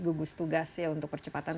gugus tugas ya untuk percepatan